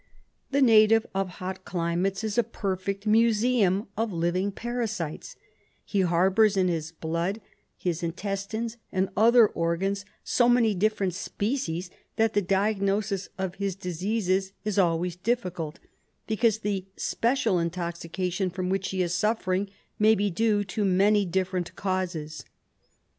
The native of hot climates is a perfect museum of living parasites; he harbours in his blood, his intestines, and other organs so many different species that the diagnosis of his diseases is always difficult, because the special intoxication from which he is suffering may be due to many different causes.